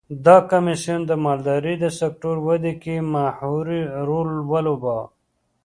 دا کمېسیون د مالدارۍ د سکتور ودې کې محوري رول ولوباوه.